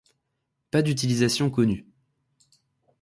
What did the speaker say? Pas d'utilisation connue.